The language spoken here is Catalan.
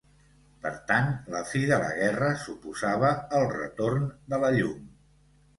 Per tant, la fi de la guerra suposava el retorn de la llum.